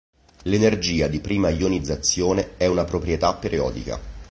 L'energia di prima ionizzazione è una proprietà periodica.